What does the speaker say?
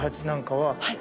はい。